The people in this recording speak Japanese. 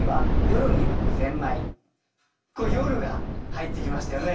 これ「夜」が入ってきましたよね。